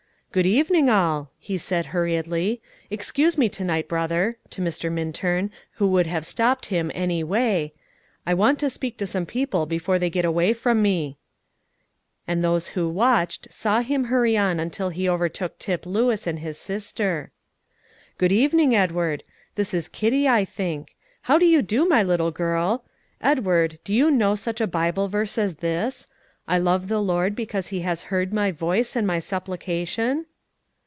"Good evening, all," he said hurriedly. "Excuse me to night, brother," to Mr. Minturn, who would have stopped him any way; "I want to speak to some people before they get away from me;" and those who watched, saw him hurry on until he overtook Tip Lewis and his sister. "Good evening, Edward. This is Kitty, I think. How do you do, my little girl? Edward, do you know such a Bible verse as this: 'I love the Lord, because He has heard my voice and my supplication'?"